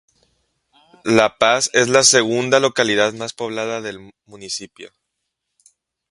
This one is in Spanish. La Paz es la segunda localidad más poblada del municipio.